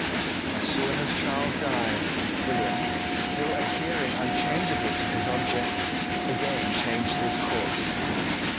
As soon as Charles died, William, still adhering unchangeably to his object, again changed his course.